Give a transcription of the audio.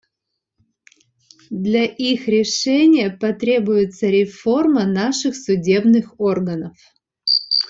Для их решения потребуется реформа наших судебных органов.